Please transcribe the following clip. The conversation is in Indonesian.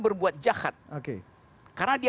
berbuat jahat karena dia